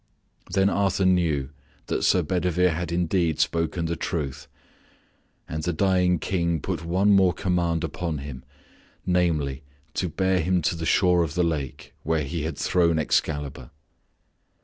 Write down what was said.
Then Arthur knew that Sir Bedivere had indeed spoken the truth, and the dying King put one more command upon him namely to bear him to the shore of the lake where he had thrown Excalibur.